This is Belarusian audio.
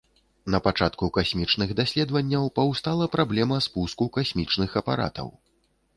Напачатку касмічных даследаванняў паўстала праблема спуску касмічных апаратаў.